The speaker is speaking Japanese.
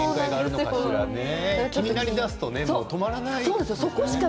気になりだすと止まらないよね。